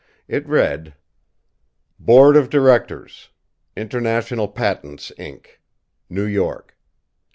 It read: BOARD OF DIRECTORS, International Patents, Inc., New York.